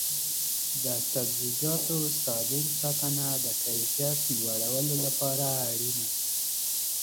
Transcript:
د سبزیجاتو سالم ساتنه د کیفیت لوړولو لپاره اړینه ده.